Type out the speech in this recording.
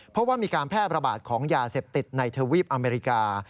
เพราะว่ามีการแพร่ประบาดของยาเสพติดในทวีปอเมริกา